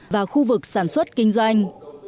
và khu vực sản xuất kinh doanh